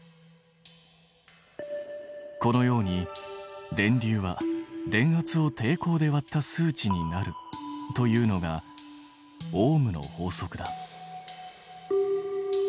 このように電流は電圧を抵抗で割った数値になるというのがオームの法則だ。